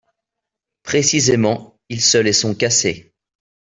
Précisément, ils se les sont cassées.